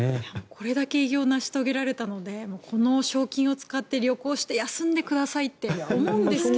これだけ偉業を成し遂げられたのでこの賞金を使って旅行して休んでくださいって思うんですけど。